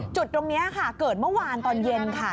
จุดตรงนี้ค่ะเกิดเมื่อวานตอนเย็นค่ะ